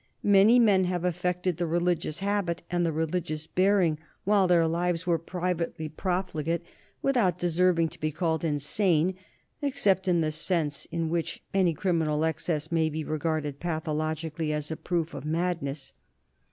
Many men have affected the religious habit and the religious bearing while their lives were privately profligate without deserving to be called insane except in the sense in which any criminal excess may be regarded pathologically as a proof of madness.